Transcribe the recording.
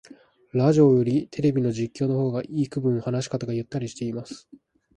ラジオよりテレビの実況の方がいくぶん話し方がゆったりしてます